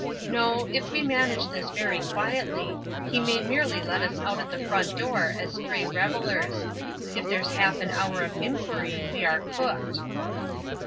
No, if we manage this very quietly, he may merely let us out at the front door as stray revellers. If there's half an hour of inquiry, we are cooked."